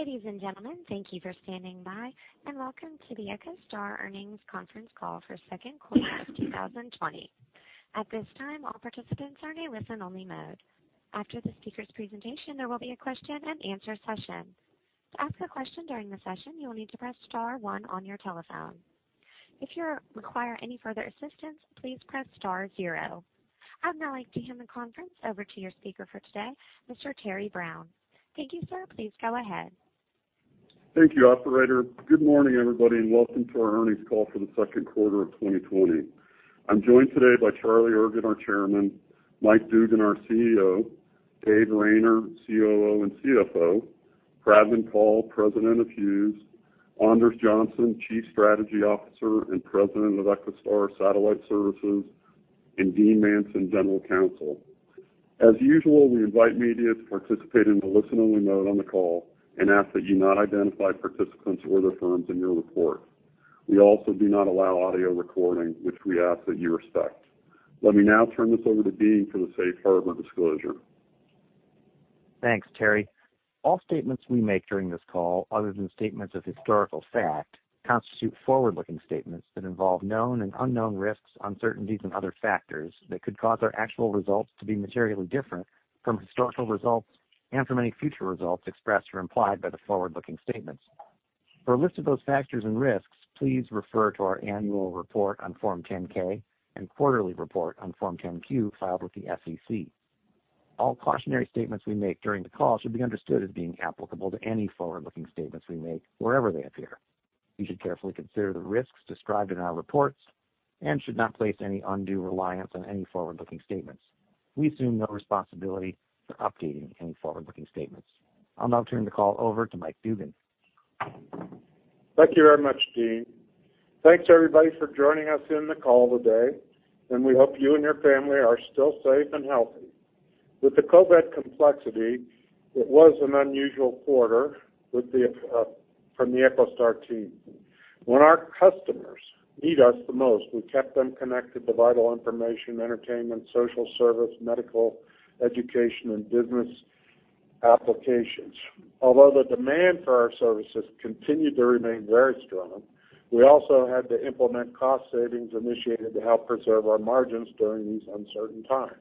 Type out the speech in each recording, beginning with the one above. Ladies and gentlemen, thank you for standing by and welcome to the EchoStar earnings conference call for second quarter of 2020. At this time, all participants are in a listen-only mode. After the speakers' presentation, there will be a question and answer session. To ask a question during the session, you will need to press star one on your telephone. If you require any further assistance, please press star zero. I'd now like to hand the conference over to your speaker for today, Mr. Terry Brown. Thank you, sir. Please go ahead. Thank you, operator. Good morning, everybody, and welcome to our earnings call for the second quarter of 2020. I'm joined today by Charlie Ergen, our Chairman, Mike Dugan, our CEO, Dave Rayner, COO and CFO, Pradman Kaul, President of Hughes, Anders Johnson, Chief Strategy Officer and President of EchoStar Satellite Services, and Dean Manson, General Counsel. As usual, we invite media to participate in the listen-only mode on the call and ask that you not identify participants or their firms in your report. We also do not allow audio recording, which we ask that you respect. Let me now turn this over to Dean for the safe harbor disclosure. Thanks, Terry. All statements we make during this call, other than statements of historical fact, constitute forward-looking statements that involve known and unknown risks, uncertainties, and other factors that could cause our actual results to be materially different from historical results and from any future results expressed or implied by the forward-looking statements. For a list of those factors and risks, please refer to our annual report on Form 10-K and quarterly report on Form 10-Q filed with the SEC. All cautionary statements we make during the call should be understood as being applicable to any forward-looking statements we make wherever they appear. You should carefully consider the risks described in our reports and should not place any undue reliance on any forward-looking statements. We assume no responsibility for updating any forward-looking statements. I'll now turn the call over to Mike Dugan. Thank you very much, Dean. Thanks, everybody, for joining us in the call today, and we hope you and your family are still safe and healthy. With the COVID complexity, it was an unusual quarter from the EchoStar team. When our customers need us the most, we kept them connected to vital information, entertainment, social service, medical, education, and business applications. Although the demand for our services continued to remain very strong, we also had to implement cost savings initiated to help preserve our margins during these uncertain times.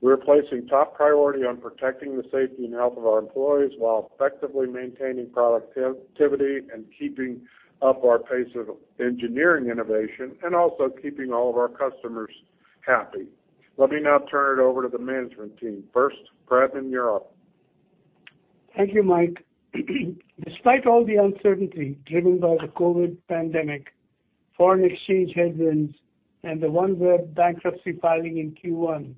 We are placing top priority on protecting the safety and health of our employees while effectively maintaining productivity and keeping up our pace of engineering innovation and also keeping all of our customers happy. Let me now turn it over to the management team. First, Pradman, you're up. Thank you, Mike. Despite all the uncertainty driven by the COVID pandemic, foreign exchange headwinds, and the OneWeb bankruptcy filing in Q1,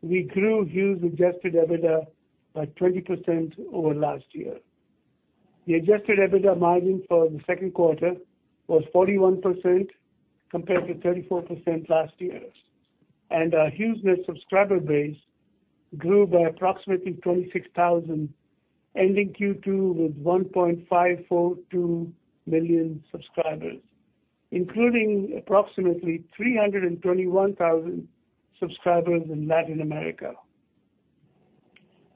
we grew Hughes adjusted EBITDA by 20% over last year. The adjusted EBITDA margin for the second quarter was 41% compared to 34% last year, and our HughesNet subscriber base grew by approximately 26,000, ending Q2 with 1.542 million subscribers, including approximately 321,000 subscribers in Latin America.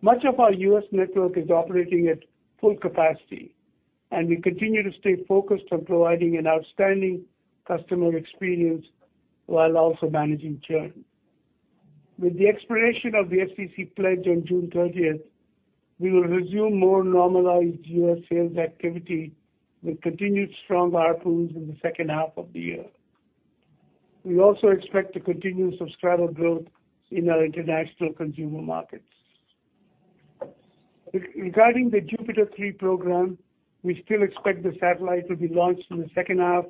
Much of our U.S. network is operating at full capacity, and we continue to stay focused on providing an outstanding customer experience while also managing churn. With the expiration of the FCC pledge on June 30th, we will resume more normalized U.S. sales activity with continued strong order pools in the second half of the year. We also expect to continue subscriber growth in our international consumer markets. Regarding the JUPITER 3 program, we still expect the satellite to be launched in the second half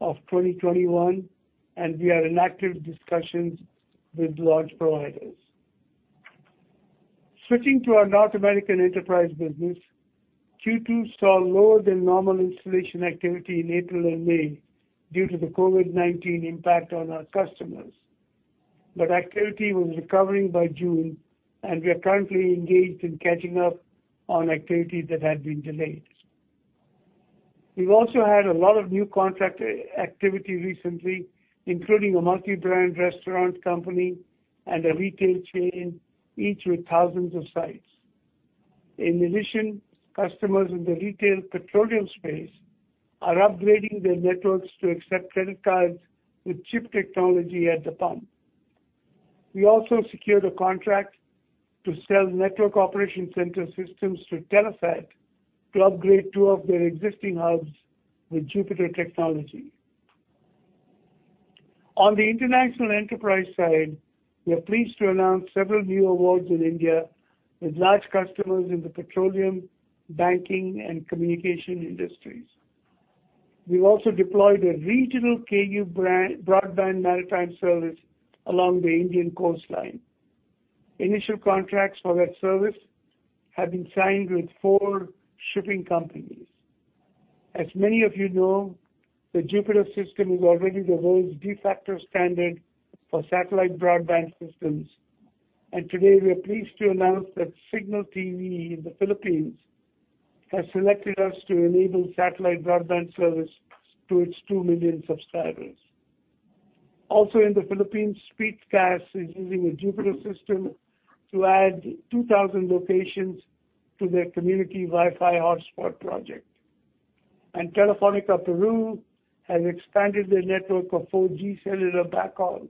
of 2021, and we are in active discussions with launch providers. Switching to our North American enterprise business, Q2 saw lower than normal installation activity in April and May due to the COVID-19 impact on our customers. Activity was recovering by June, and we are currently engaged in catching up on activity that had been delayed. We've also had a lot of new contract activity recently, including a multi-brand restaurant company and a retail chain, each with thousands of sites. In addition, customers in the retail petroleum space are upgrading their networks to accept credit cards with chip technology at the pump. We also secured a contract to sell network operation center systems to Telesat to upgrade two of their existing hubs with JUPITER technology. On the international enterprise side, we are pleased to announce several new awards in India with large customers in the petroleum, banking, and communication industries. We've also deployed a regional Ku-band broadband maritime service along the Indian coastline. Initial contracts for that service have been signed with four shipping companies. As many of you know, the JUPITER system is already the world's de facto standard for satellite broadband systems. Today we are pleased to announce that Cignal TV in the Philippines has selected us to enable satellite broadband service to its 2 million subscribers. Also in the Philippines, Speedcast is using a JUPITER system to add 2,000 locations to their community Wi-Fi hotspot project. Telefónica del Perú has expanded their network of 4G cellular backhaul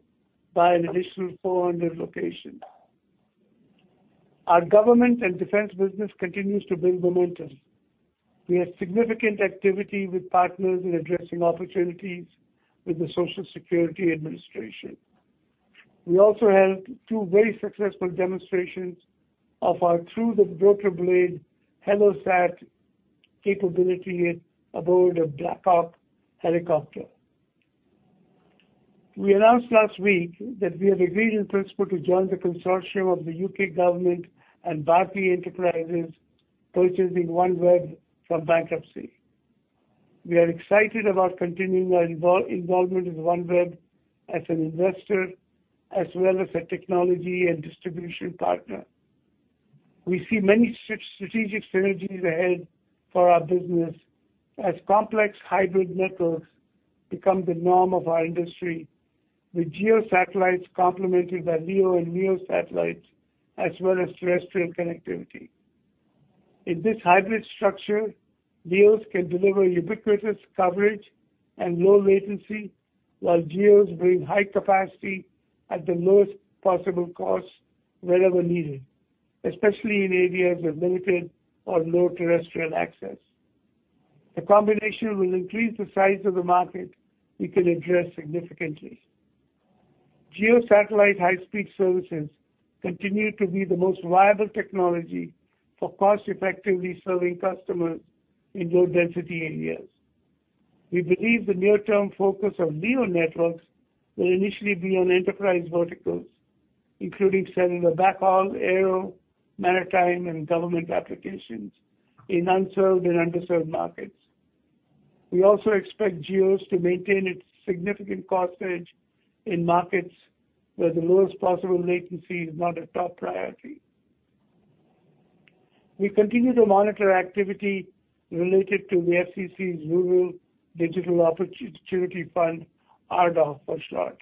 by an additional 400 locations. Our government and defense business continues to build momentum. We have significant activity with partners in addressing opportunities with the Social Security Administration. We also had two very successful demonstrations of our through-the-rotor-blade HeloSat capability aboard a Black Hawk helicopter. We announced last week that we have agreed in principle to join the consortium of the U.K. government and Bharti Enterprises purchasing OneWeb from bankruptcy. We are excited about continuing our involvement with OneWeb as an investor as well as a technology and distribution partner. We see many strategic synergies ahead for our business as complex hybrid networks become the norm of our industry, with GEO satellites complemented by LEO and MEO satellites, as well as terrestrial connectivity. In this hybrid structure, LEOs can deliver ubiquitous coverage and low latency, while GEOs bring high capacity at the lowest possible cost wherever needed, especially in areas with limited or no terrestrial access. The combination will increase the size of the market we can address significantly. GEO satellite high-speed services continue to be the most viable technology for cost-effectively serving customers in low-density areas. We believe the near-term focus of LEO networks will initially be on enterprise verticals, including cellular backhaul, aero, maritime, and government applications in unserved and underserved markets. We also expect GEOs to maintain its significant cost edge in markets where the lowest possible latency is not a top priority. We continue to monitor activity related to the FCC's Rural Digital Opportunity Fund, RDOF for short.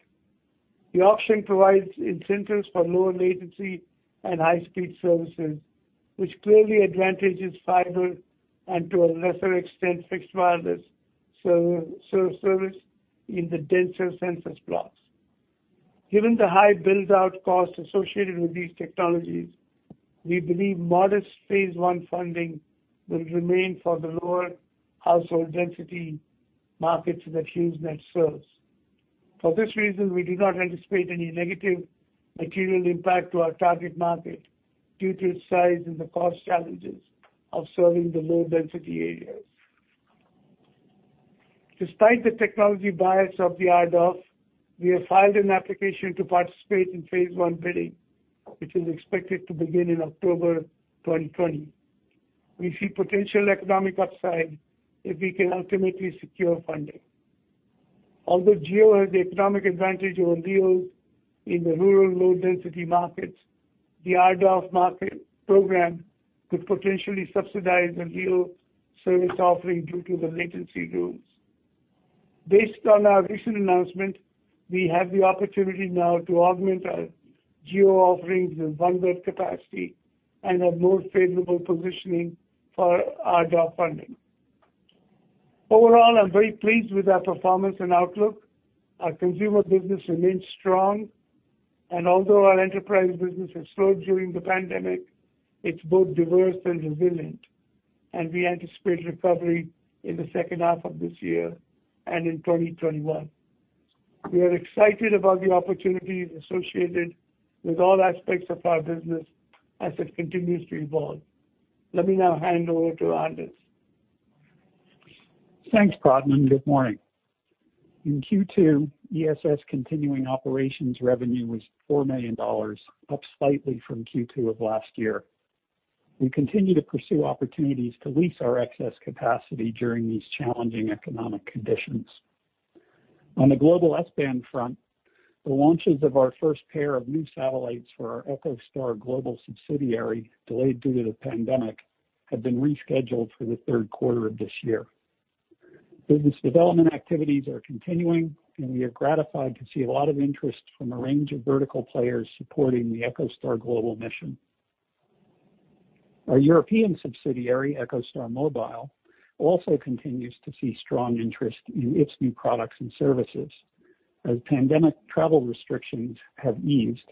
The auction provides incentives for lower latency and high-speed services, which clearly advantages fiber, and to a lesser extent, fixed wireless service in the denser census blocks. Given the high build-out costs associated with these technologies, we believe modest phase 1 funding will remain for the lower household density markets that HughesNet serves. For this reason, we do not anticipate any negative material impact to our target market due to its size and the cost challenges of serving the low-density areas. Despite the technology bias of the RDOF, we have filed an application to participate in phase 1 bidding, which is expected to begin in October 2020. We see potential economic upside if we can ultimately secure funding. Although GEO has the economic advantage over LEOs in the rural low-density markets, the RDOF market program could potentially subsidize a LEO service offering due to the latency rules. Based on our recent announcement, we have the opportunity now to augment our GEO offerings with OneWeb capacity and a more favorable positioning for RDOF funding. Overall, I'm very pleased with our performance and outlook. Our consumer business remains strong. Although our enterprise business has slowed during the pandemic, it's both diverse and resilient, and we anticipate recovery in the second half of this year and in 2021. We are excited about the opportunities associated with all aspects of our business as it continues to evolve. Let me now hand over to Anders. Thanks, Pradman. Good morning. In Q2, ESS continuing operations revenue was $4 million, up slightly from Q2 of last year. We continue to pursue opportunities to lease our excess capacity during these challenging economic conditions. On the global S-band front, the launches of our first pair of new satellites for our EchoStar Global subsidiary, delayed due to the pandemic, have been rescheduled for the third quarter of this year. Business development activities are continuing, and we are gratified to see a lot of interest from a range of vertical players supporting the EchoStar Global mission. Our European subsidiary, EchoStar Mobile, also continues to see strong interest in its new products and services. As pandemic travel restrictions have eased,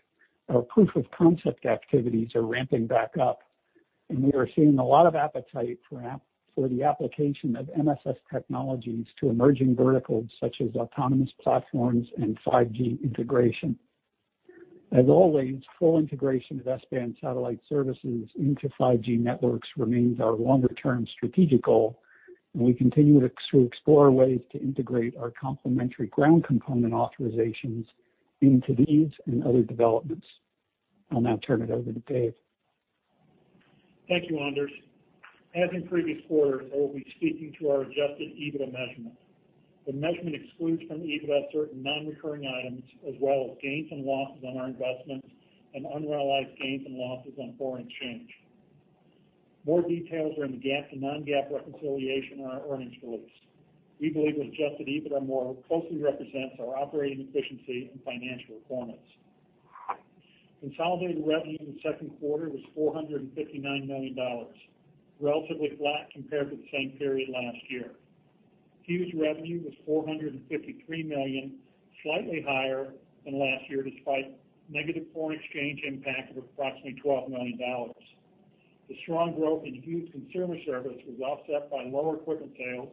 our proof of concept activities are ramping back up, and we are seeing a lot of appetite for the application of MSS technologies to emerging verticals such as autonomous platforms and 5G integration. As always, full integration of S-band satellite services into 5G networks remains our longer-term strategic goal, and we continue to explore ways to integrate our complementary ground component authorizations into these and other developments. I'll now turn it over to Dave. Thank you, Anders. As in previous quarters, I will be speaking to our adjusted EBITDA measurement. The measurement excludes from EBITDA certain non-recurring items as well as gains and losses on our investments and unrealized gains and losses on foreign exchange. More details are in the GAAP to non-GAAP reconciliation on our earnings release. We believe adjusted EBITDA more closely represents our operating efficiency and financial performance. Consolidated revenue in the second quarter was $459 million, relatively flat compared to the same period last year. Hughes revenue was $453 million, slightly higher than last year despite negative foreign exchange impact of approximately $12 million. The strong growth in Hughes Consumer Service was offset by lower equipment sales,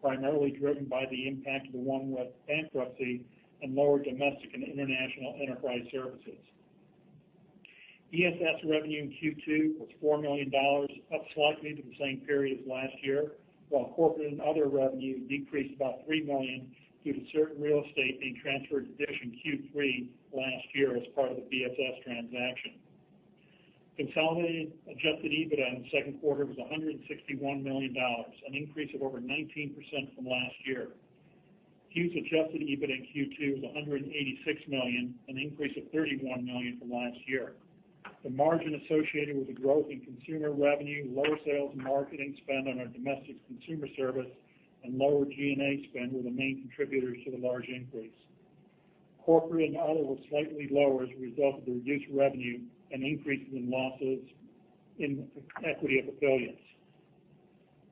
primarily driven by the impact of the OneWeb bankruptcy and lower domestic and international enterprise services. ESS revenue in Q2 was $4 million, up slightly to the same period last year, while corporate and other revenue decreased about $3 million due to certain real estate being transferred to DISH in Q3 last year as part of the BSS transaction. Consolidated adjusted EBITDA in the second quarter was $161 million, an increase of over 19% from last year. Hughes adjusted EBITDA in Q2 was $186 million, an increase of $31 million from last year. The margin associated with the growth in consumer revenue, lower sales and marketing spend on our domestic consumer service, and lower G&A spend were the main contributors to the large increase. Corporate and other was slightly lower as a result of the reduced revenue and increases in losses in equity of affiliates.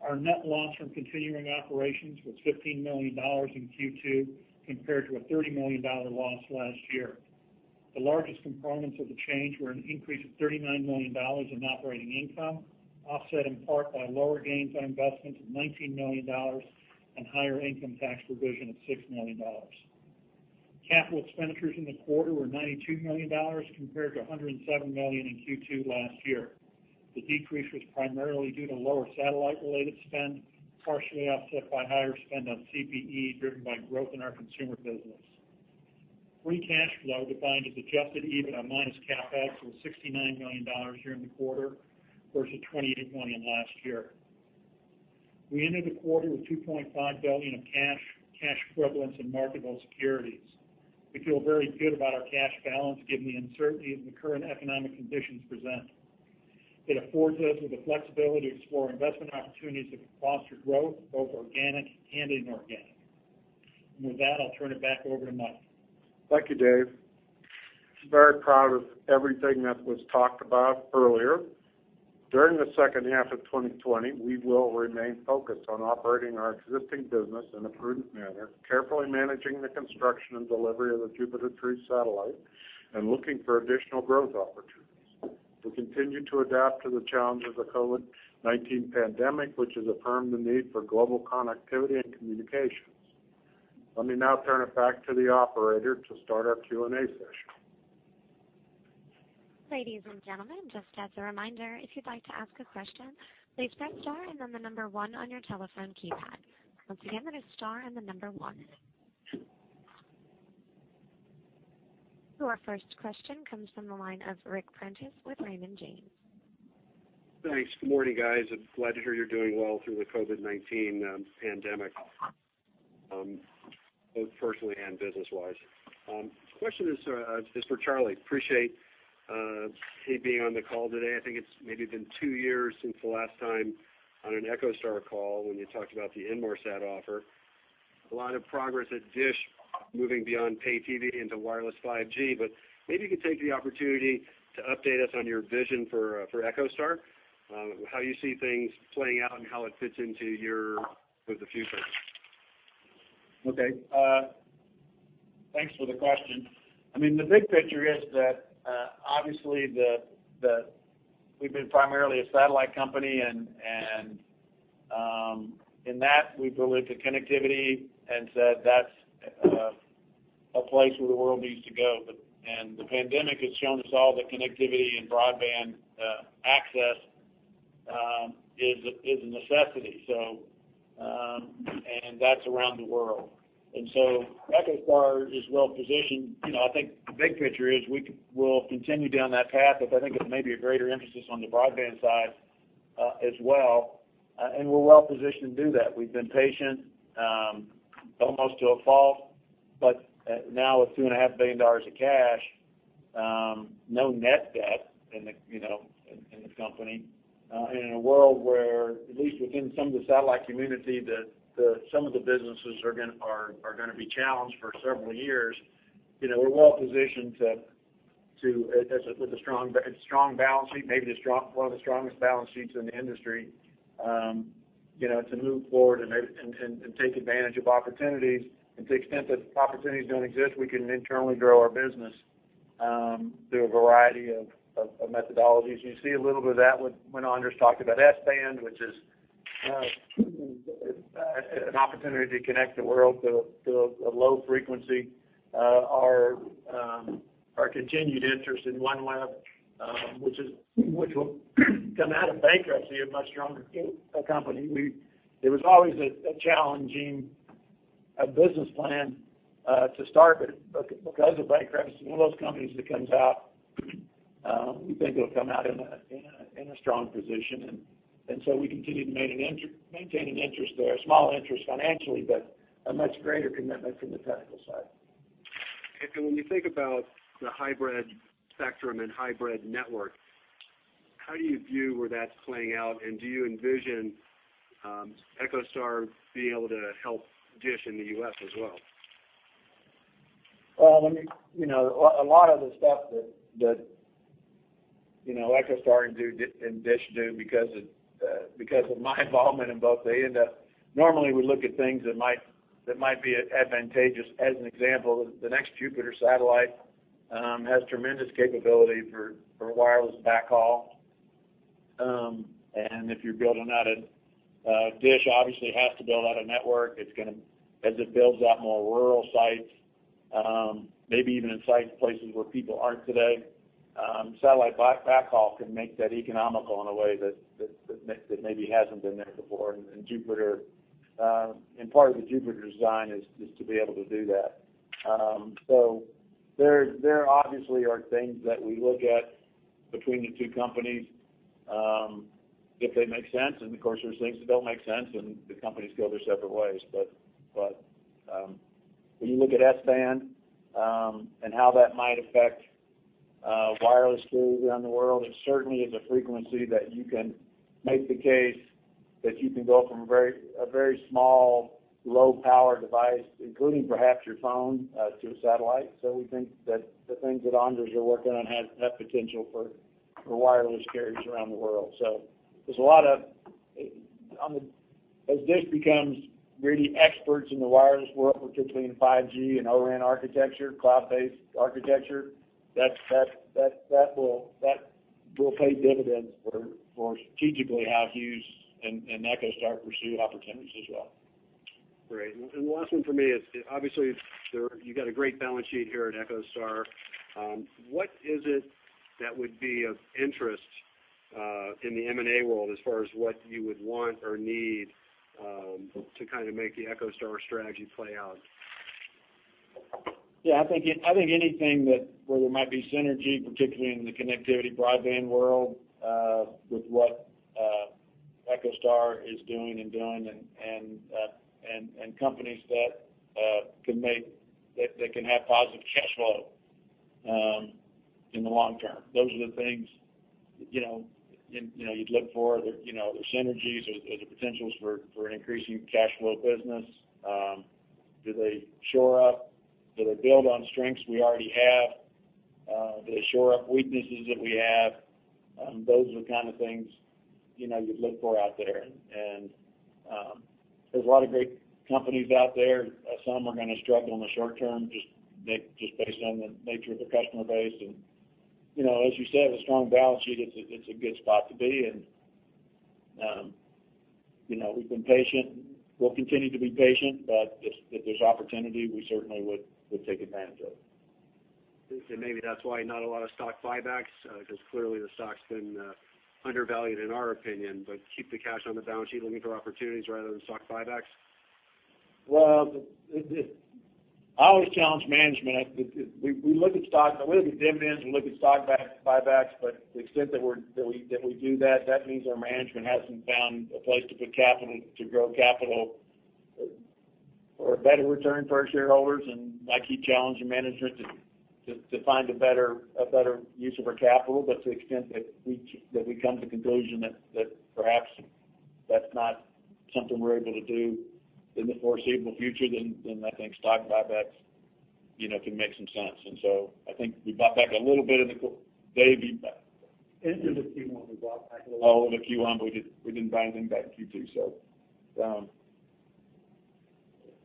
Our net loss from continuing operations was $15 million in Q2 compared to a $30 million loss last year. The largest components of the change were an increase of $39 million in operating income, offset in part by lower gains on investments of $19 million and higher income tax provision of $6 million. Capital expenditures in the quarter were $92 million compared to $107 million in Q2 last year. The decrease was primarily due to lower satellite-related spend, partially offset by higher spend on CPE driven by growth in our consumer business. Free cash flow defined as adjusted EBITDA minus CapEx was $69 million during the quarter versus $28 million last year. We ended the quarter with $2.5 billion of cash, cash equivalents, and marketable securities. We feel very good about our cash balance given the uncertainty that the current economic conditions present. It affords us with the flexibility to explore investment opportunities that can foster growth, both organic and inorganic. With that, I'll turn it back over to Mike. Thank you, Dave. Very proud of everything that was talked about earlier. During the second half of 2020, we will remain focused on operating our existing business in a prudent manner, carefully managing the construction and delivery of the JUPITER 3 satellite and looking for additional growth opportunities. We'll continue to adapt to the challenge of the COVID-19 pandemic, which has affirmed the need for global connectivity and communications. Let me now turn it back to the operator to start our Q&A session. Ladies and gentlemen, just as a reminder, if you'd like to ask a question, please press star and then the number one on your telephone keypad. Once again, that is star and the number one. Our first question comes from the line of Ric Prentiss with Raymond James. Thanks. Good morning, guys. Glad to hear you're doing well through the COVID-19 pandemic, both personally and business-wise. Question is for Charlie. Appreciate he being on the call today. I think it's maybe been two years since the last time on an EchoStar call when you talked about the Inmarsat offer. A lot of progress at DISH moving beyond pay TV into wireless 5G. Maybe you could take the opportunity to update us on your vision for EchoStar, how you see things playing out and how it fits into your view of the future. Okay. Thanks for the question. I mean, the big picture is that, obviously we've been primarily a satellite company and in that we've believed in connectivity and said that's a place where the world needs to go. The pandemic has shown us all that connectivity and broadband access is a necessity, and that's around the world. EchoStar is well positioned. I think the big picture is we'll continue down that path, but I think it may be a greater emphasis on the broadband side as well and we're well positioned to do that. We've been patient almost to a fault, now with $2.5 billion of cash, no net debt in the company, and in a world where at least within some of the satellite community some of the businesses are going to be challenged for several years. We're well positioned with a strong balance sheet, maybe one of the strongest balance sheets in the industry, to move forward and take advantage of opportunities. To the extent that opportunities don't exist, we can internally grow our business through a variety of methodologies. You see a little bit of that when Anders talked about S-band, which is an opportunity to connect the world to a low frequency. Our continued interest in OneWeb, which will come out of bankruptcy a much stronger company. It was always a challenging business plan to start, because of bankruptcy, it's one of those companies that comes out, we think it'll come out in a strong position. We continue to maintain an interest there, a small interest financially, but a much greater commitment from the technical side. When you think about the hybrid spectrum and hybrid network, how do you view where that's playing out? Do you envision EchoStar being able to help DISH in the U.S. as well? Well, a lot of the stuff that EchoStar and DISH do, because of my involvement in both. Normally, we look at things that might be advantageous. As an example, the next JUPITER satellite has tremendous capability for wireless backhaul. If you're building out, DISH obviously has to build out a network. As it builds out more rural sites, maybe even in places where people aren't today, satellite backhaul can make that economical in a way that maybe hasn't been there before. Part of the JUPITER design is to be able to do that. There obviously are things that we look at between the two companies, if they make sense, and of course, there's things that don't make sense, and the companies go their separate ways. When you look at S-band, and how that might affect wireless carriers around the world, it certainly is a frequency that you can make the case that you can go from a very small, low-power device, including perhaps your phone, to a satellite. We think that the things that Anders are working on have potential for wireless carriers around the world. As DISH becomes really experts in the wireless world, particularly in 5G and O-RAN architecture, cloud-based architecture, that will pay dividends for strategically how Hughes and EchoStar pursue opportunities as well. Great. The last one from me is, obviously, you've got a great balance sheet here at EchoStar. What is it that would be of interest in the M&A world as far as what you would want or need to make the EchoStar strategy play out? Yeah, I think anything where there might be synergy, particularly in the connectivity broadband world with what EchoStar is doing, and companies that can have positive cash flow in the long term. Those are the things you'd look for. There's synergies. There's potentials for an increasing cash flow business. Do they shore up? Do they build on strengths we already have? Do they shore up weaknesses that we have? Those are the kind of things you'd look for out there. There's a lot of great companies out there. Some are going to struggle in the short term, just based on the nature of their customer base. As you said, a strong balance sheet, it's a good spot to be in. We've been patient, and we'll continue to be patient, but if there's opportunity, we certainly would take advantage of it. Maybe that's why not a lot of stock buybacks, because clearly the stock's been undervalued in our opinion. Keep the cash on the balance sheet looking for opportunities rather than stock buybacks? Well, I always challenge management. We look at stocks, and we look at dividends, we look at stock buybacks. To the extent that we do that means our management hasn't found a place to put capital, to grow capital or a better return for our shareholders. I keep challenging management to find a better use of our capital. To the extent that we come to the conclusion that perhaps that's not something we're able to do in the foreseeable future, then I think stock buybacks can make some sense. I think we bought back a little bit. Dave. End of Q1, we bought back a little. In Q1, we didn't buy anything back in Q2.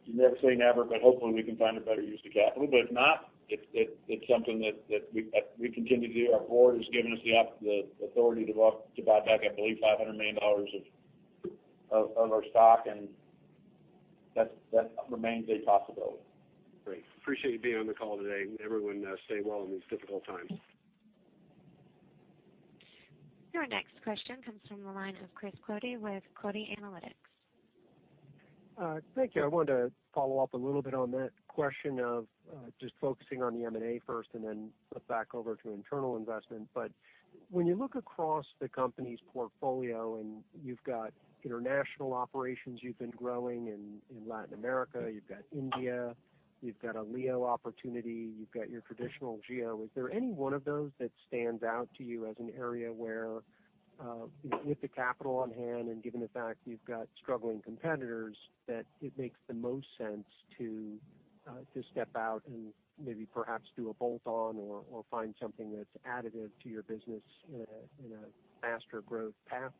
You never say never, but hopefully we can find a better use of capital. If not, it's something that we continue to do. Our board has given us the authority to buy back, I believe, $500 million of our stock, and that remains a possibility. Great. Appreciate you being on the call today, and everyone stay well in these difficult times. Your next question comes from the line of Chris Quilty with Quilty Analytics. Thank you. I wanted to follow up a little bit on that question of just focusing on the M&A first and then flip back over to internal investment. When you look across the company's portfolio and you've got international operations you've been growing in Latin America, you've got India, you've got a LEO opportunity, you've got your traditional GEO, is there any one of those that stands out to you as an area where, with the capital on hand and given the fact that you've got struggling competitors, that it makes the most sense to step out and maybe perhaps do a bolt-on or find something that's additive to your business in a faster growth path?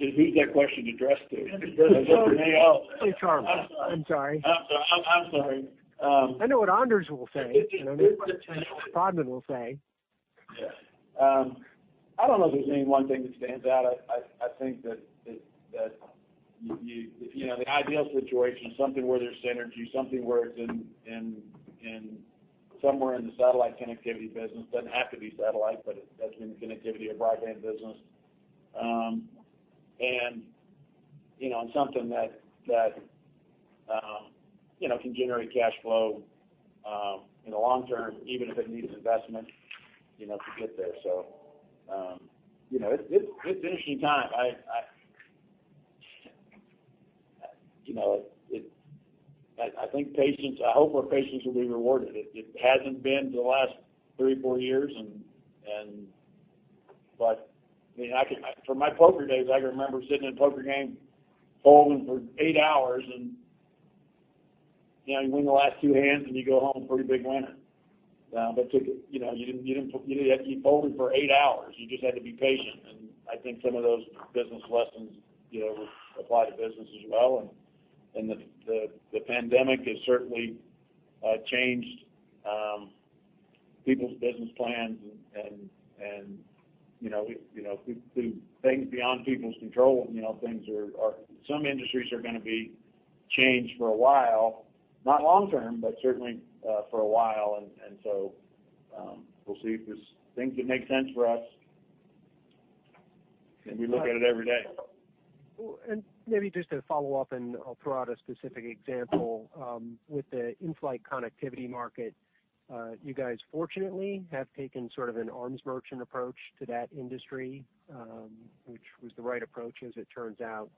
Who's that question addressed to? Is it for me? Oh. To Charlie. I'm sorry. I'm sorry. I know what Anders will say, and I know what Pradman will say. I don't know if there's any one thing that stands out. I think that the ideal situation is something where there's synergy, something where it's somewhere in the satellite connectivity business. Doesn't have to be satellite, but that's in the connectivity or broadband business. Something that can generate cash flow in the long term, even if it needs investment to get there. It's an interesting time. I hope our patience will be rewarded. It hasn't been the last three, four years. From my poker days, I can remember sitting in a poker game folding for eight hours, and you win the last two hands, and you go home a pretty big winner. You had to keep folding for eight hours. You just had to be patient. I think some of those business lessons apply to business as well. The pandemic has certainly changed people's business plans, and things beyond people's control. Some industries are going to be changed for a while, not long term, but certainly, for a while. We'll see if there's things that make sense for us. We look at it every day. Maybe just to follow up, I'll throw out a specific example. With the in-flight connectivity market, you guys fortunately have taken sort of an arms merchant approach to that industry, which was the right approach as it turns out.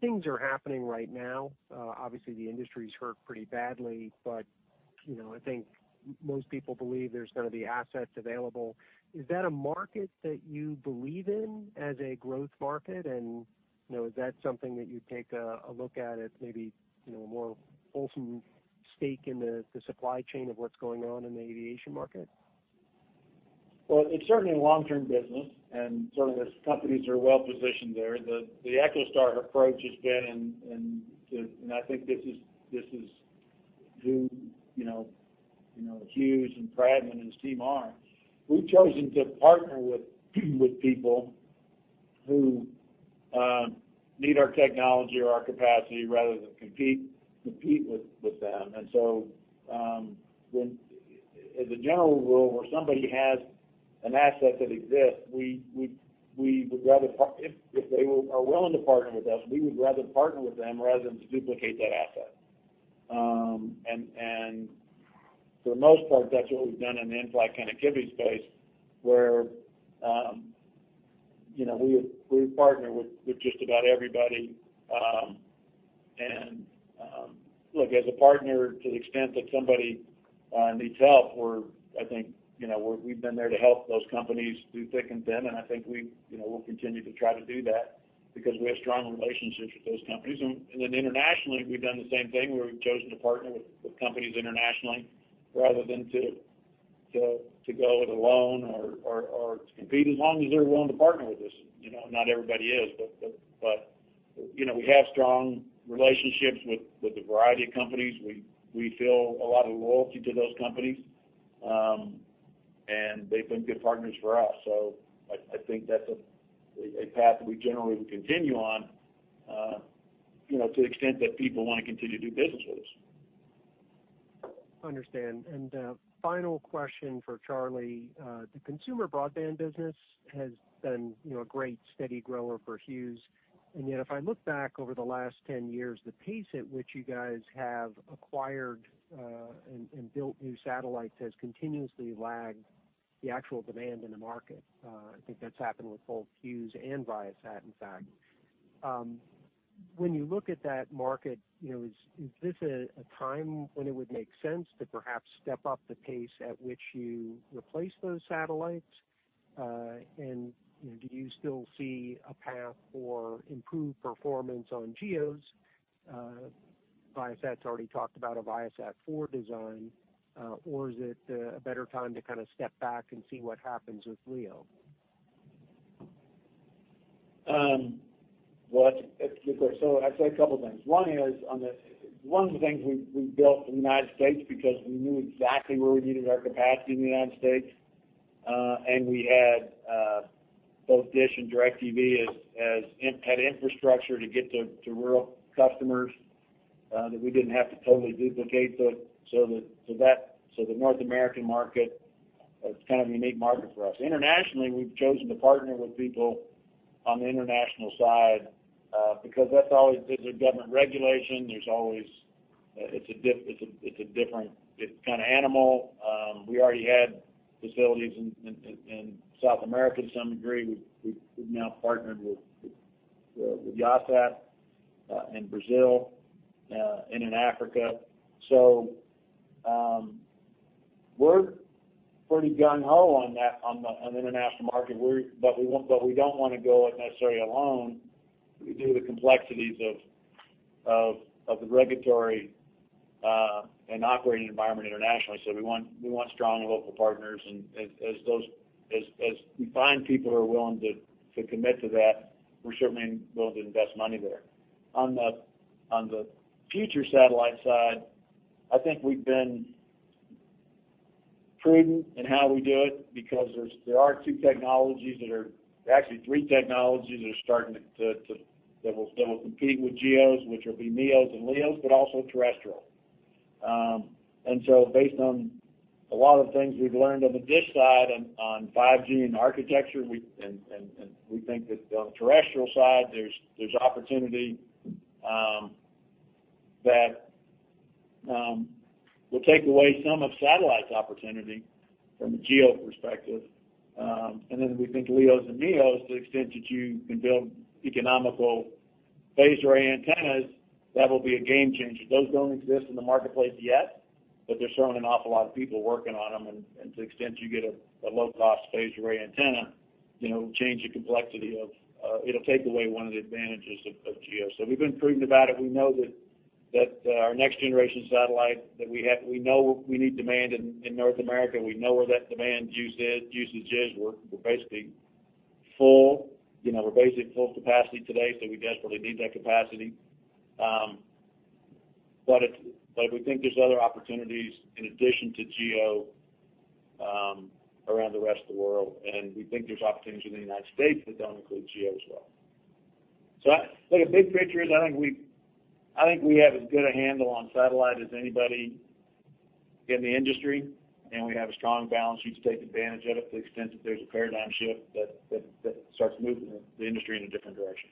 Things are happening right now. Obviously, the industry's hurt pretty badly, but I think most people believe there's going to be assets available. Is that a market that you believe in as a growth market? Is that something that you'd take a look at as maybe a more wholesome stake in the supply chain of what's going on in the aviation market? Well, it's certainly a long-term business, certainly, there's companies that are well-positioned there. The EchoStar approach has been, I think this is who Hughes and Pradman and his team are. We've chosen to partner with people who need our technology or our capacity rather than compete with them. As a general rule, where somebody has an asset that exists, if they are willing to partner with us, we would rather partner with them rather than duplicate that asset. For the most part, that's what we've done in the in-flight connectivity space where we would partner with just about everybody. Look, as a partner, to the extent that somebody needs help or I think we've been there to help those companies through thick and thin, I think we'll continue to try to do that because we have strong relationships with those companies. Internationally, we've done the same thing where we've chosen to partner with companies internationally rather than to go it alone or to compete, as long as they're willing to partner with us. Not everybody is, but we have strong relationships with a variety of companies. We feel a lot of loyalty to those companies, they've been good partners for us. I think that's a path that we generally would continue on to the extent that people want to continue to do business with us. Understand. Final question for Charlie. The consumer broadband business has been a great steady grower for Hughes. Yet, if I look back over the last 10 years, the pace at which you guys have acquired and built new satellites has continuously lagged the actual demand in the market. I think that's happened with both Hughes and Viasat, in fact. When you look at that market, is this a time when it would make sense to perhaps step up the pace at which you replace those satellites? Do you still see a path for improved performance on GEOs? Viasat's already talked about a ViaSat-4 design. Is it a better time to kind of step back and see what happens with LEO? That's a good question. I'd say a couple of things. One is, one of the things we built in the United States because we knew exactly where we needed our capacity in the United States, and we had both DISH and DirecTV had infrastructure to get to rural customers, that we didn't have to totally duplicate that. The North American market, it's kind of a unique market for us. Internationally, we've chosen to partner with people on the international side because there's government regulation. It's a different kind of animal. We already had facilities in South America to some degree. We've now partnered with Yahsat in Brazil, and in Africa. We're pretty gung-ho on the international market, but we don't want to go it necessarily alone due to the complexities of the regulatory and operating environment internationally. We want strong local partners, and as we find people who are willing to commit to that, we're certainly willing to invest money there. On the future satellite side, I think we've been prudent in how we do it because there are two technologies that are, actually three technologies that will compete with GEOs, which will be MEOs and LEOs, but also terrestrial. Based on a lot of things we've learned on the DISH side on 5G and architecture, and we think that on the terrestrial side, there's opportunity that will take away some of satellite's opportunity from a GEO perspective. We think LEOs and MEOs, to the extent that you can build economical phased array antennas, that will be a game changer. Those don't exist in the marketplace yet, but there's certainly an awful lot of people working on them, and to the extent you get a low-cost phased array antenna, it'll take away one of the advantages of GEO. We've been prudent about it. We know that our next generation satellite, that we know we need demand in North America. We know where that demand usage is. We're basically at full capacity today, so we desperately need that capacity. We think there's other opportunities in addition to GEO around the rest of the world, and we think there's opportunities in the United States that don't include GEO as well. The big picture is I think we have as good a handle on satellite as anybody in the industry, and we have a strong balance sheet to take advantage of it to the extent that there's a paradigm shift that starts moving the industry in a different direction.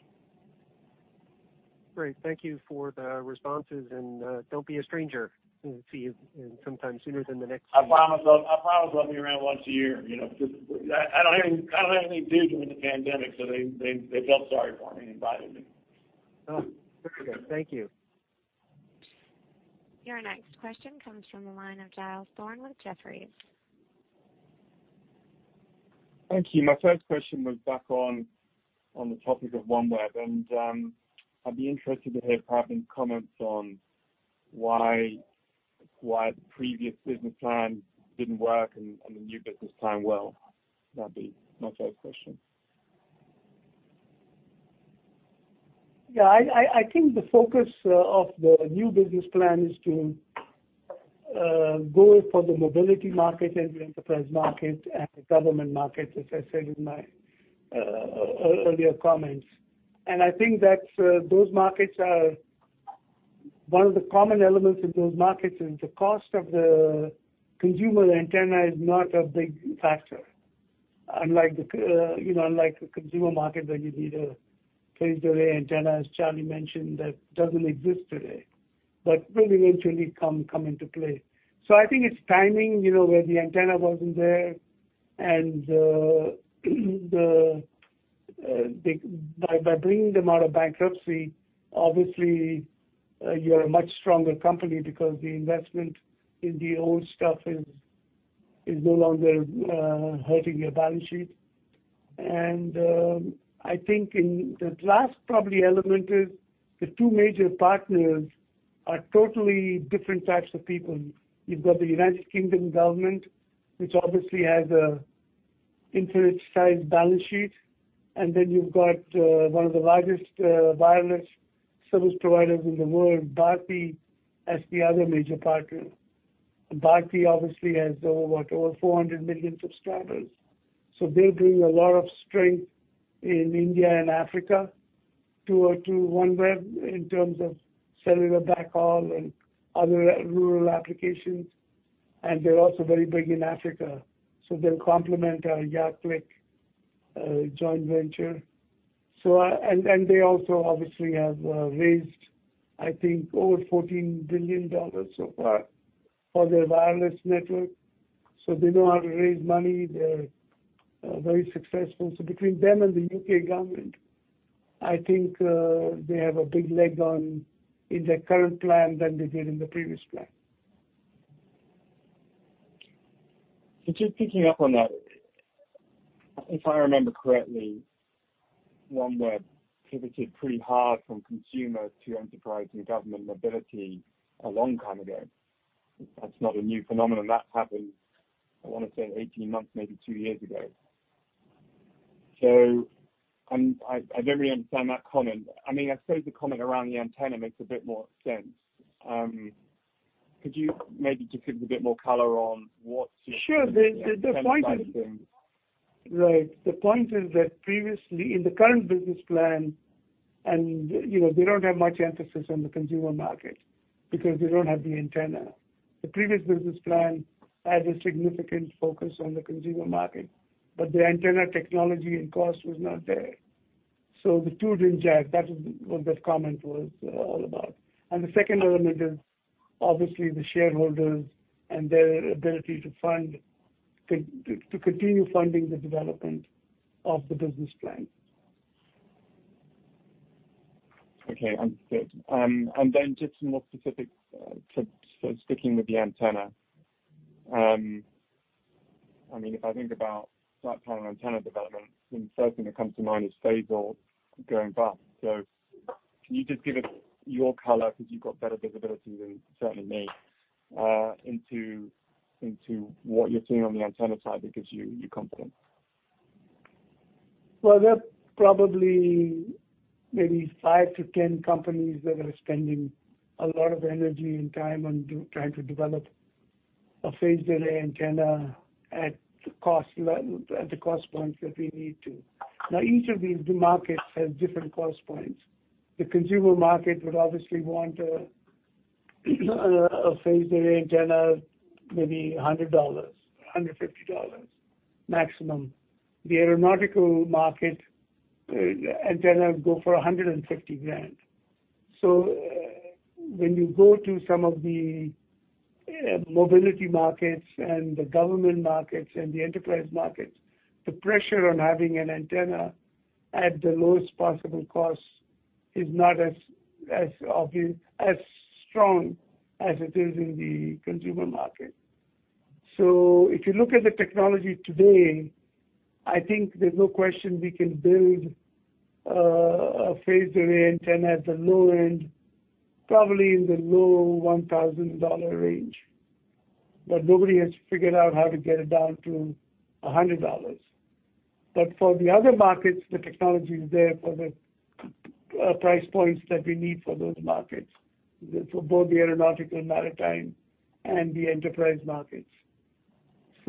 Great. Thank you for the responses, and don't be a stranger. Good to see you sometime sooner than the next year. I promised I'll be around once a year. I don't have any due to the pandemic, so they felt sorry for me and invited me. Oh, very good. Thank you. Your next question comes from the line of Giles Thorne with Jefferies. Thank you. My first question was back on the topic of OneWeb. I'd be interested to hear Pradman's comments on why the previous business plan didn't work and the new business plan will. That'd be my first question. Yeah. I think the focus of the new business plan is to go for the mobility market and the enterprise market and the government market, as I said in my earlier comments. I think that one of the common elements of those markets is the cost of the consumer antenna is not a big factor. Unlike the consumer market where you need a phased array antenna, as Charlie mentioned, that doesn't exist today, but will eventually come into play. I think it's timing, where the antenna wasn't there, and by bringing them out of bankruptcy, obviously, you're a much stronger company because the investment in the old stuff is no longer hurting your balance sheet. I think the last, probably, element is the two major partners are totally different types of people. You've got the United Kingdom government, which obviously has an infinite size balance sheet, and then you've got one of the largest wireless service providers in the world, Bharti, as the other major partner. Bharti obviously has over what? Over 400 million subscribers. They bring a lot of strength in India and Africa to OneWeb in terms of cellular backhaul and other rural applications. They're also very big in Africa, so they'll complement our YahClick joint venture. They also obviously have raised, I think, over $14 billion so far for their wireless network, so they know how to raise money. They're very successful. Between them and the U.K. government, I think they have a big leg in their current plan than they did in the previous plan. Just picking up on that, if I remember correctly, OneWeb pivoted pretty hard from consumer to enterprise, new government mobility a long time ago. That's not a new phenomenon. That happened, I want to say 18 months, maybe two years ago. I don't really understand that comment. I suppose the comment around the antenna makes a bit more sense. Could you maybe just give us a bit more color on what's the antenna side of things? Right. The point is that in the current business plan, they don't have much emphasis on the consumer market because they don't have the antenna. The previous business plan had a significant focus on the consumer market, but the antenna technology and cost was not there. The two didn't gel. That is what that comment was all about. The second element is obviously the shareholders and their ability to continue funding the development of the business plan. Okay. Understood. Just more specific, so sticking with the antenna. If I think about satellite antenna development, then the first thing that comes to mind is Phasor. Can you just give us your color, because you've got better visibility than certainly me, into what you're seeing on the antenna side that gives you confidence? There are probably maybe 5-10 companies that are spending a lot of energy and time on trying to develop a phased array antenna at the cost points that we need to. Each of these markets has different cost points. The consumer market would obviously want a phased array antenna, maybe $100-$150 maximum. The aeronautical market antenna go for $150,000. When you go to some of the mobility markets and the government markets and the enterprise markets, the pressure on having an antenna at the lowest possible cost is not as strong as it is in the consumer market. If you look at the technology today, I think there's no question we can build a phased array antenna at the low end, probably in the low $1,000 range. Nobody has figured out how to get it down to $100. For the other markets, the technology is there for the price points that we need for those markets, for both the aeronautical, maritime, and the enterprise markets.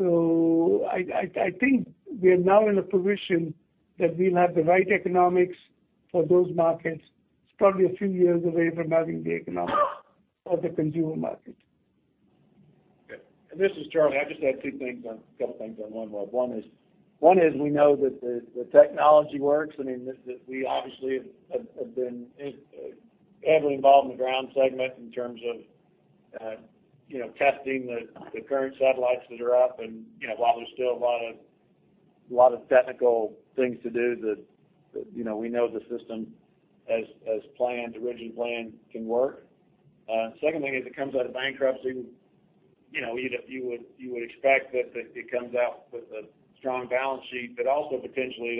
I think we are now in a position that we'll have the right economics for those markets. It's probably a few years away from having the economics of the consumer market. Okay. This is Charlie. I just had a couple things on OneWeb. One is we know that the technology works. We obviously have been heavily involved in the ground segment in terms of testing the current satellites that are up. While there's still a lot of technical things to do that we know the system as originally planned can work. Second thing, as it comes out of bankruptcy, you would expect that it comes out with a strong balance sheet, but also potentially,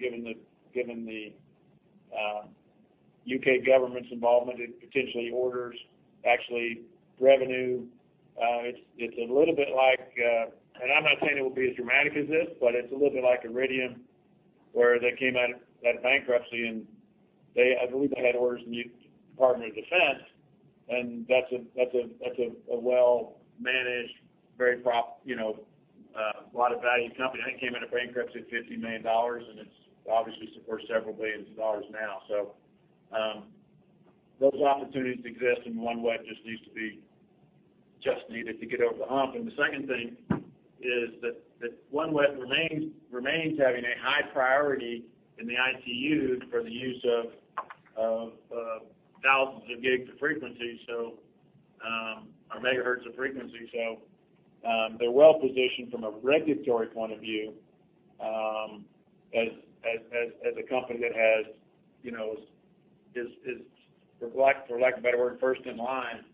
given the U.K. government's involvement, it potentially orders actually revenue. I'm not saying it will be as dramatic as this, but it's a little bit like Iridium, where they came out of bankruptcy and I believe they had orders from the Department of Defense, and that's a well-managed, a lot of value company. They came out of bankruptcy at $50 million, and it's obviously worth several billion dollars now. Those opportunities exist, and OneWeb just needed to get over the hump. The second thing is that OneWeb remains having a high priority in the ITU for the use of thousands of gig of frequency, or megahertz of frequency. They're well-positioned from a regulatory point of view as a company that has, for lack of a better word, first in line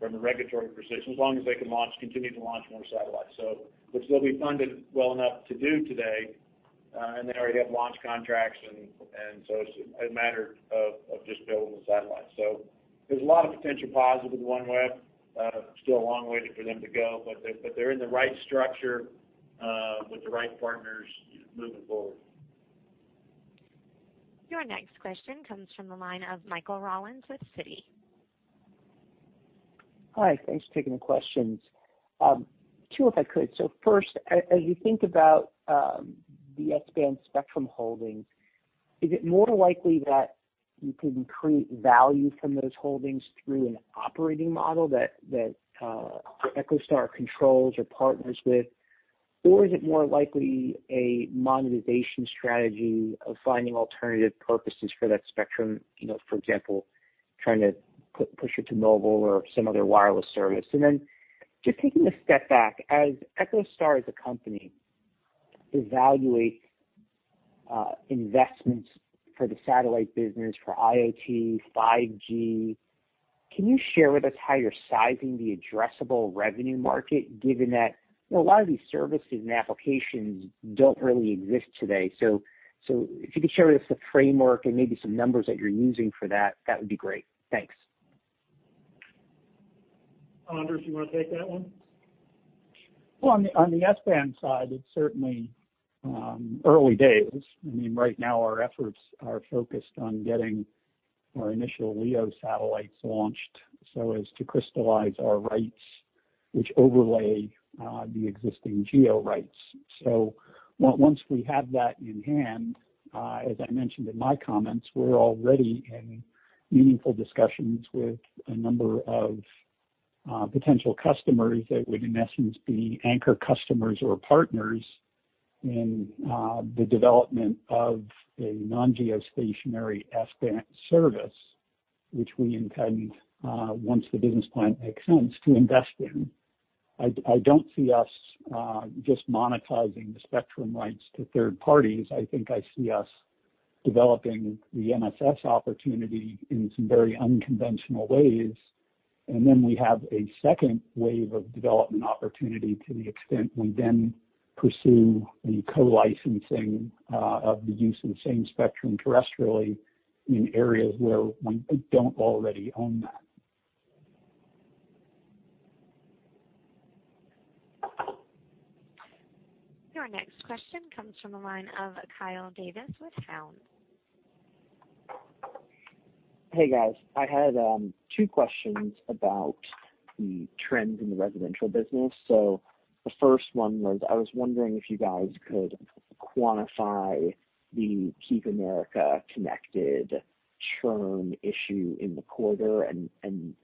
from a regulatory position, as long as they can continue to launch more satellites. Which they'll be funded well enough to do today, and they already have launch contracts and so it's a matter of just building the satellites. There's a lot of potential positive with OneWeb. Still a long way for them to go, but they're in the right structure with the right partners moving forward. Your next question comes from the line of Michael Rollins with Citi. Hi, thanks for taking the questions. Two, if I could. First, as you think about the S-band spectrum holdings, is it more likely that you can create value from those holdings through an operating model that EchoStar controls or partners with? Is it more likely a monetization strategy of finding alternative purposes for that spectrum? For example, trying to push it to mobile or some other wireless service. Just taking a step back, as EchoStar as a company evaluates investments for the satellite business, for IoT, 5G, can you share with us how you're sizing the addressable revenue market, given that a lot of these services and applications don't really exist today? If you could share with us the framework and maybe some numbers that you're using for that would be great. Thanks. Anders, you want to take that one? On the S-band side, it's certainly early days. Right now our efforts are focused on getting our initial LEO satellites launched so as to crystallize our rights, which overlay the existing GEO rights. Once we have that in hand, as I mentioned in my comments, we're already in meaningful discussions with a number of potential customers that would, in essence, be anchor customers or partners in the development of a non-geostationary S-band service, which we intend, once the business plan makes sense, to invest in. I don't see us just monetizing the spectrum rights to third parties. I think I see us developing the MSS opportunity in some very unconventional ways, and then we have a second wave of development opportunity to the extent we then pursue the co-licensing of the use of the same spectrum terrestrially in areas where we don't already own that. Your next question comes from the line of Kyle Davis with Cowen. Hey, guys. I had two questions about the trends in the residential business. The first one was, I was wondering if you guys could quantify the Keep Americans Connected churn issue in the quarter and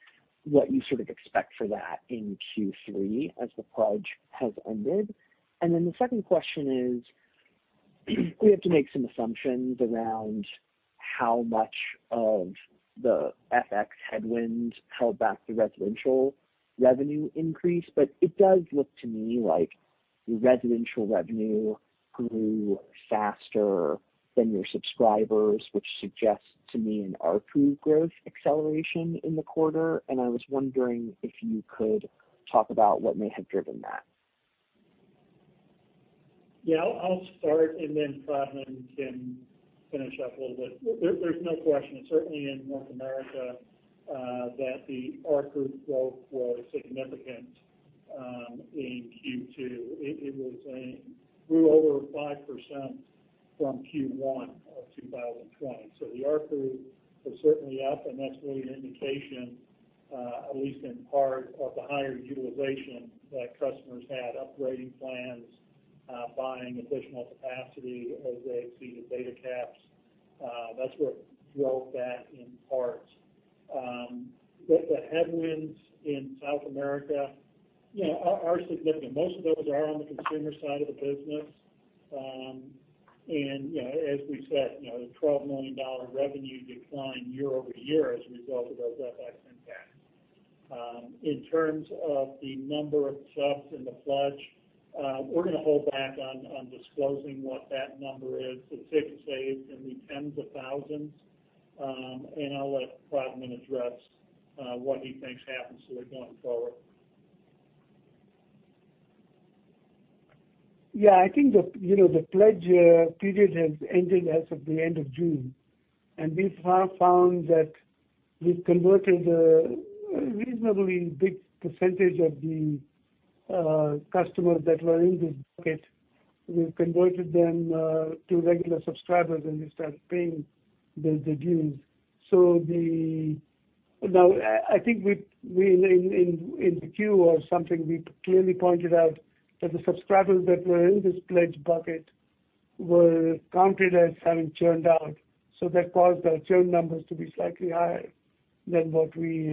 what you sort of expect for that in Q3 as the pledge has ended. The second question is, we have to make some assumptions around how much of the FX headwind held back the residential revenue increase. It does look to me like your residential revenue grew faster than your subscribers, which suggests to me an ARPU growth acceleration in the quarter, and I was wondering if you could talk about what may have driven that. Yeah, I'll start and then Pradman can finish up a little bit. There's no question, certainly in North America, that the ARPU growth was significant in Q2. It grew over 5% from Q1 of 2020. The ARPU was certainly up, and that's really an indication, at least in part, of the higher utilization that customers had upgrading plans, buying additional capacity as they exceeded data caps. That's what drove that in part. The headwinds in South America are significant. Most of those are on the consumer side of the business. As we said, the $12 million revenue decline year-over-year as a result of those FX impacts. In terms of the number of subs in the Pledge, we're going to hold back on disclosing what that number is. Let's just say it's in the tens of thousands. I'll let Pradman address what he thinks happens to it going forward. Yeah, I think the Pledge period has ended as of the end of June. We found that we've converted a reasonably big percentage of the customers that were in this bucket. We've converted them to regular subscribers, and they started paying their dues. I think in the 10-Q or something, we clearly pointed out that the subscribers that were in this Pledge bucket were counted as having churned out, so that caused our churn numbers to be slightly higher than what we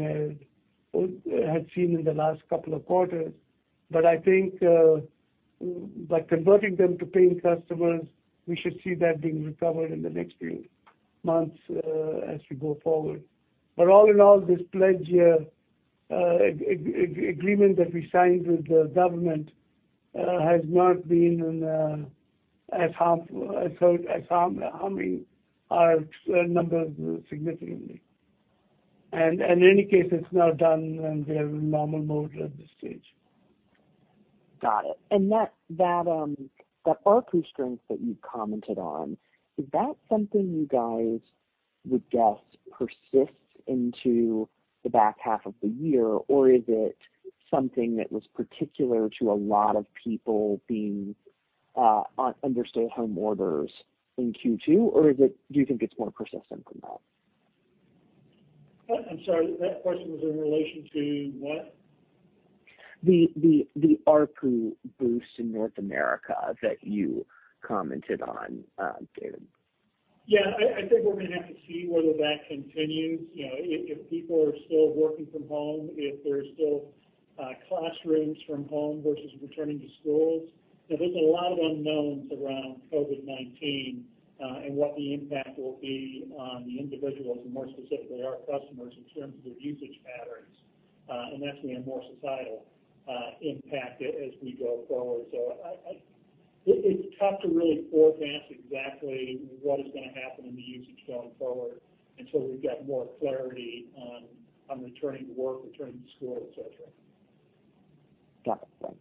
had seen in the last couple of quarters. I think by converting them to paying customers, we should see that being recovered in the next few months as we go forward. All in all, this Pledge agreement that we signed with the government has not been harming our numbers significantly. In any case, it's now done, and we are in normal mode at this stage. Got it. That ARPU strength that you commented on, is that something you guys would guess persists into the back half of the year, or is it something that was particular to a lot of people being under stay-at-home orders in Q2, or do you think it's more persistent than that? I'm sorry, that question was in relation to what? The ARPU boost in North America that you commented on, David. Yeah, I think we're going to have to see whether that continues. If people are still working from home, if there are still classrooms from home versus returning to schools. There's a lot of unknowns around COVID-19 and what the impact will be on the individuals, and more specifically, our customers in terms of their usage patterns, and that's going to have more societal impact as we go forward. It's tough to really forecast exactly what is going to happen in the usage going forward until we get more clarity on returning to work, returning to school, et cetera. Got it. Thanks.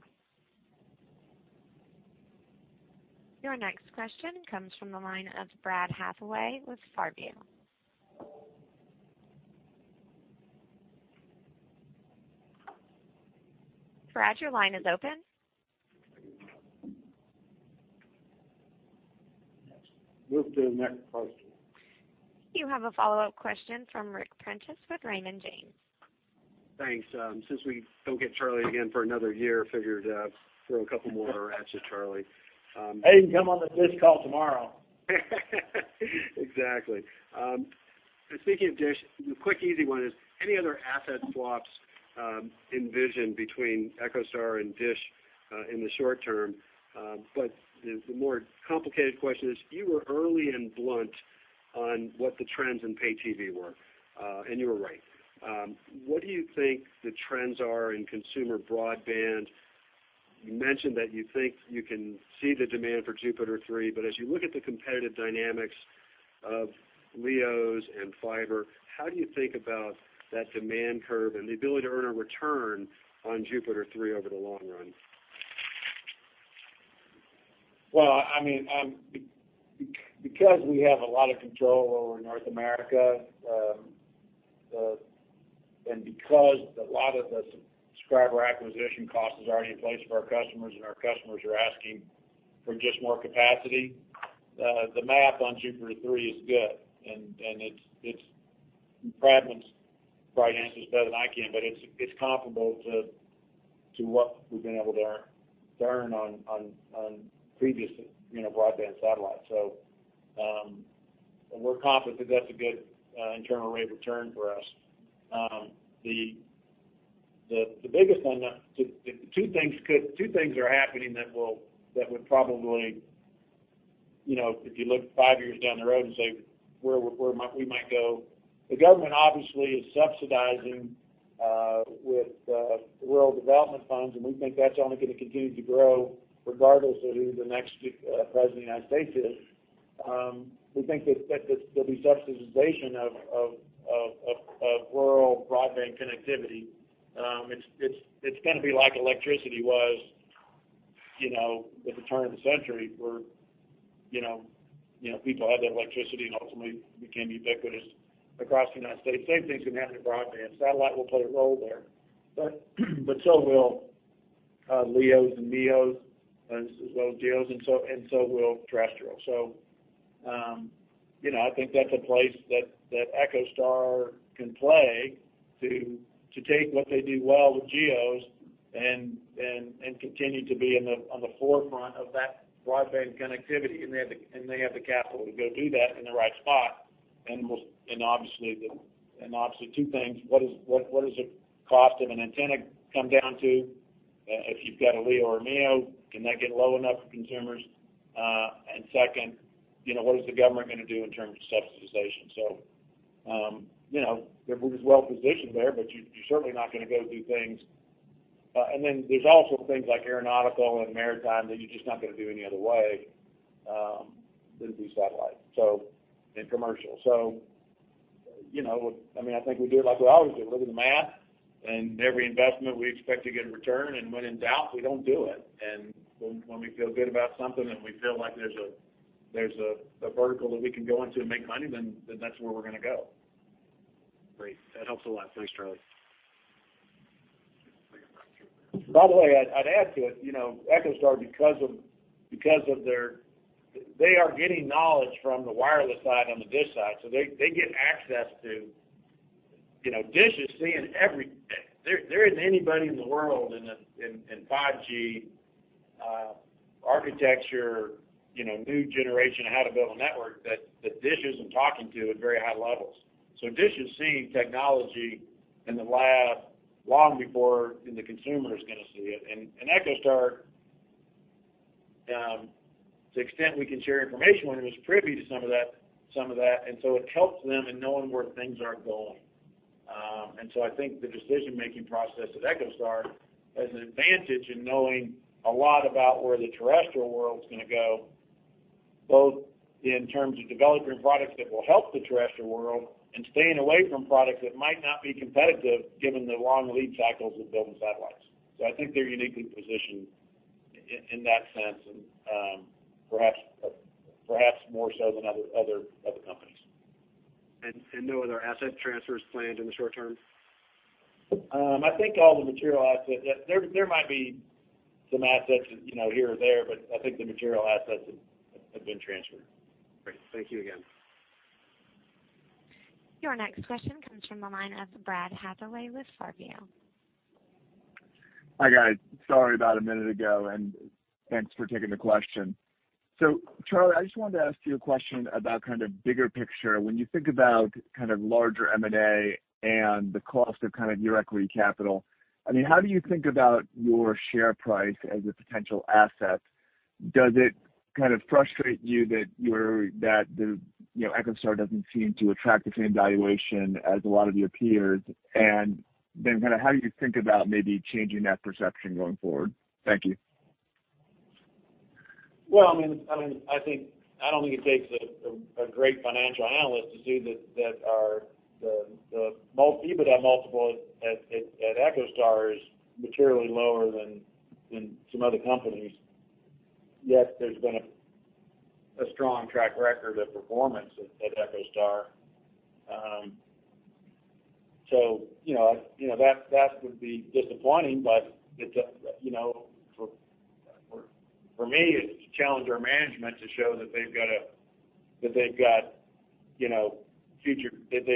Your next question comes from the line of Brad Hathaway with Far View. Brad, your line is open. Move to the next question. You have a follow-up question from Ric Prentiss with Raymond James. Thanks. Since we don't get Charlie again for another year, figured I'd throw a couple more at you, Charlie. Hey, you can come on the DISH call tomorrow. Exactly. Speaking of DISH, the quick easy one is, any other asset swaps envisioned between EchoStar and DISH in the short term? The more complicated question is, you were early and blunt on what the trends in pay TV were, and you were right. What do you think the trends are in consumer broadband? You mentioned that you think you can see the demand for JUPITER 3, but as you look at the competitive dynamics of LEOs and fiber, how do you think about that demand curve and the ability to earn a return on JUPITER 3 over the long run? Well, because we have a lot of control over North America, and because a lot of the subscriber acquisition cost is already in place for our customers, and our customers are asking for just more capacity, the math on JUPITER 3 is good. Pradman's probably answered this better than I can, but it's comparable to what we've been able to earn on previous broadband satellites. We're confident that that's a good internal rate of return for us. The biggest one, two things are happening that would probably, if you look five years down the road and say where we might go, the government obviously is subsidizing with rural development funds, and we think that's only going to continue to grow regardless of who the next president of the United States is. We think that there'll be subsidization of rural broadband connectivity. It's going to be like electricity was, at the turn of the century, where people had their electricity and ultimately became ubiquitous across the United States. Same thing's going to happen to broadband. Satellite will play a role there, but so will LEOs and MEOs, as well as GEOs, and so will terrestrial. I think that's a place that EchoStar can play to take what they do well with GEOs and continue to be on the forefront of that broadband connectivity, and they have the capital to go do that in the right spot. Obviously, two things, what does the cost of an antenna come down to? If you've got a LEO or a MEO, can that get low enough for consumers? Second, what is the government going to do in terms of subsidization? They're well-positioned there, but you're certainly not going to go do things. There's also things like aeronautical and maritime that you're just not going to do any other way than through satellite and commercial. I think we do it like we always do. Look at the math and every investment we expect to get in return, and when in doubt, we don't do it. When we feel good about something and we feel like there's a vertical that we can go into and make money, then that's where we're going to go. Great. That helps a lot. Thanks, Charlie. By the way, I'd add to it, EchoStar, they are getting knowledge from the wireless side on the DISH side. DISH is seeing everything. There isn't anybody in the world in 5G architecture, new generation, how to build a network, that DISH isn't talking to at very high levels. DISH is seeing technology in the lab long before the consumer is going to see it. EchoStar, to the extent we can share information, one is privy to some of that. It helps them in knowing where things are going. I think the decision-making process at EchoStar has an advantage in knowing a lot about where the terrestrial world's going to go, both in terms of developing products that will help the terrestrial world and staying away from products that might not be competitive given the long lead cycles of building satellites. I think they're uniquely positioned in that sense and perhaps more so than other companies. No other asset transfers planned in the short term? There might be some assets here or there, I think the material assets have been transferred. Great. Thank you again. Your next question comes from the line of Brad Hathaway with Far View. Hi, guys. Sorry about a minute ago, and thanks for taking the question. Charlie, I just wanted to ask you a question about kind of bigger picture. When you think about larger M&A and the cost of your equity capital, how do you think about your share price as a potential asset? Does it kind of frustrate you that EchoStar doesn't seem to attract the same valuation as a lot of your peers? How do you think about maybe changing that perception going forward? Thank you. I don't think it takes a great financial analyst to see that the EBITDA multiple at EchoStar is materially lower than some other companies, yet there's been a strong track record of performance at EchoStar. That would be disappointing, but for me, it's to challenge our management to show that they've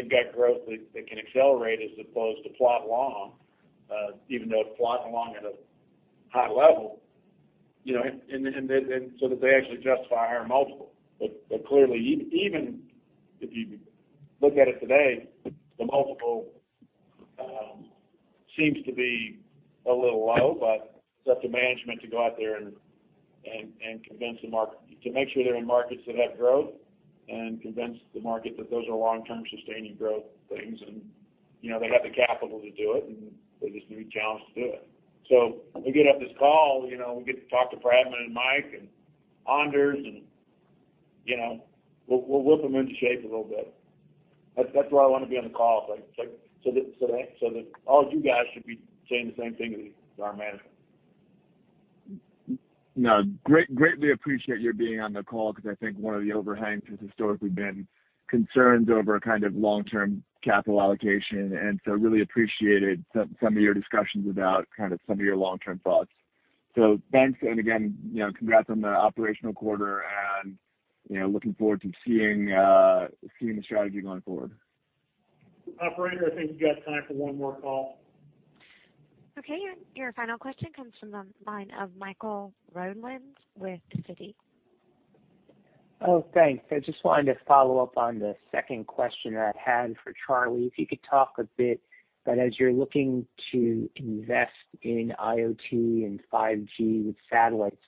got growth that can accelerate as opposed to plod along, even though it's plodding along at a high level, so that they actually justify a higher multiple. Clearly, even if you look at it today, the multiple seems to be a little low, but it's up to management to go out there and convince the market, to make sure they're in markets that have growth and convince the market that those are long-term sustaining growth things and they have the capital to do it, and they just need a challenge to do it. When we get on this call, we get to talk to Pradman, and Mike, and Anders, and we'll whip them into shape a little bit. That's why I want to be on the call so that all you guys should be saying the same thing to our management. No. Greatly appreciate your being on the call, because I think one of the overhangs has historically been concerns over long-term capital allocation, and so really appreciated some of your discussions about some of your long-term thoughts. Thanks, and again, congrats on the operational quarter and looking forward to seeing the strategy going forward. Operator, I think we've got time for one more call. Okay. Your final question comes from the line of Michael Rollins with Citi. Oh, thanks. I just wanted to follow up on the second question that I had for Charlie. If you could talk a bit about as you're looking to invest in IoT and 5G with satellites,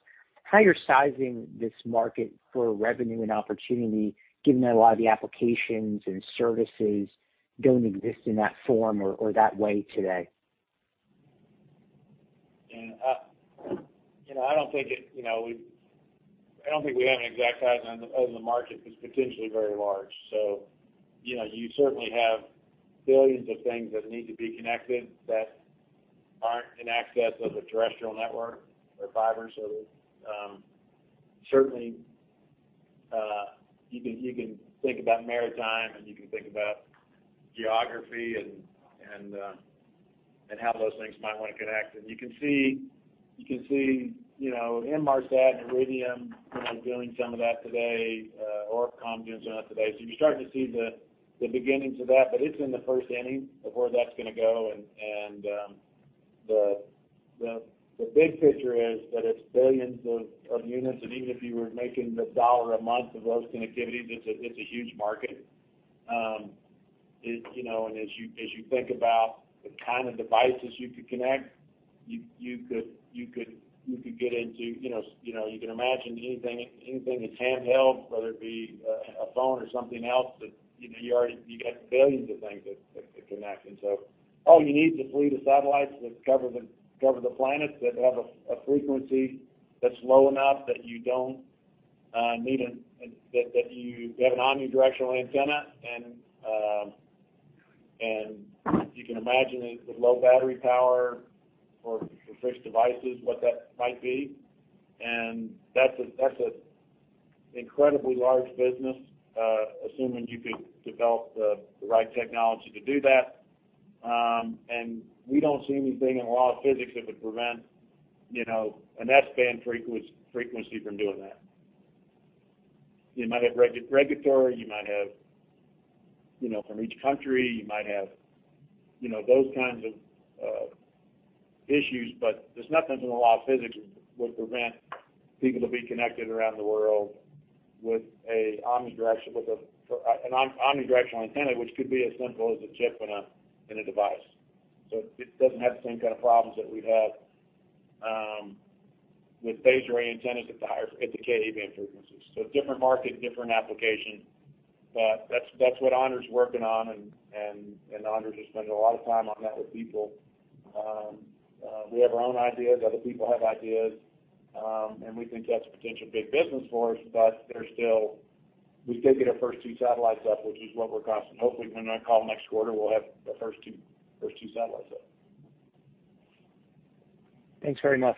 how you're sizing this market for revenue and opportunity, given that a lot of the applications and services don't exist in that form or that way today? I don't think we have an exact size on the market. It's potentially very large. You certainly have billions of things that need to be connected that aren't in access of a terrestrial network or fiber. Certainly, you can think about maritime, and you can think about geography and how those things might want to connect. You can see Inmarsat and Iridium doing some of that today, ORBCOMM doing some of that today. You're starting to see the beginnings of that, but it's in the first inning of where that's going to go. The big picture is that it's billions of units, and even if you were making $1 a month of those connectivities, it's a huge market. As you think about the kind of devices you could connect, you can imagine anything that's handheld, whether it be a phone or something else, you got billions of things that could connect. All you need is a fleet of satellites that cover the planet, that have a frequency that's low enough, that you have an omnidirectional antenna. You can imagine with low battery power for fixed devices, what that might be. That's an incredibly large business, assuming you could develop the right technology to do that. We don't see anything in the law of physics that would prevent an S-band frequency from doing that. You might have regulatory from each country, you might have those kinds of issues, but there's nothing from the law of physics that would prevent people to be connected around the world with an omnidirectional antenna, which could be as simple as a chip in a device. It doesn't have the same kind of problems that we have with phased array antennas at the Ka-band frequencies. Different market, different application. That's what Anders is working on, and Anders is spending a lot of time on that with people. We have our own ideas, other people have ideas, and we think that's a potential big business for us, but we still get our first two satellites up, which is what we're costing. Hopefully when I call next quarter, we'll have the first two satellites up. Thanks very much.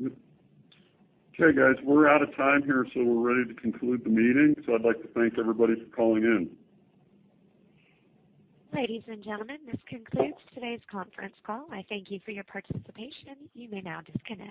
Okay, guys, we're out of time here, so we're ready to conclude the meeting. I'd like to thank everybody for calling in. Ladies and gentlemen, this concludes today's conference call. I thank you for your participation. You may now disconnect.